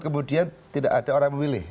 kemudian tidak ada orang memilih